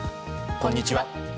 こんにちは。